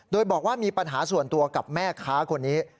โดยบอกว่ามีปัญหาส่วนตัวกับแม่ค้าคนนี้